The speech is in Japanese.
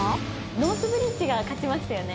ノースブリッジが勝ちましたよね。